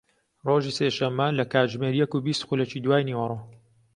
ڕۆژی سێشەممە لە کاتژمێر یەک و بیست خولەکی دوای نیوەڕۆ